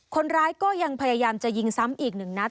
คนร้ายก็ยังพยายามจะยิงซ้ำอีกหนึ่งนัด